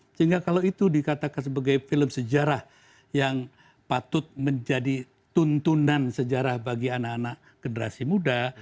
sehingga kalau itu dikatakan sebagai film sejarah yang patut menjadi tuntunan sejarah bagi anak anak generasi muda